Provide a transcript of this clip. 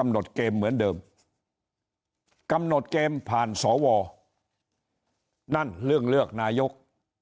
หนดเกมเหมือนเดิมกำหนดเกมผ่านสวนั่นเรื่องเลือกนายก